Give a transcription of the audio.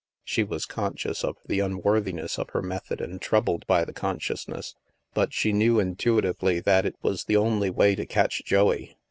She was conscious of the unworthiness of her method and troubled by the consciousness. But she knew intuitively that it was the only way to catch Joey.